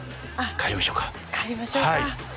帰りましょうか。